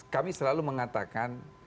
kami selalu mengatakan